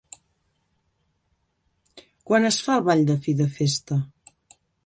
Quan es fa el ball de fi de festa?